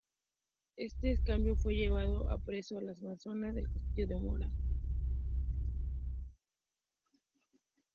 Éste, en cambio, fue llevado preso a las mazmorras del castillo de Mora.